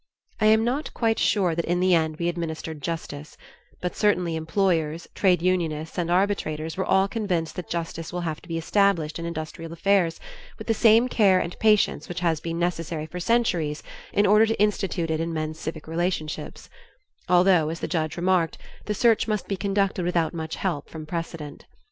I am not quite sure that in the end we administered justice, but certainly employers, trade unionists, and arbitrators were all convinced that justice will have to be established in industrial affairs with the same care and patience which has been necessary for centuries in order to institute it in men's civic relationships, although as the judge remarked the search must be conducted without much help from precedent.